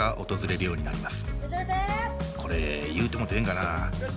これ言うてもうてええんかな。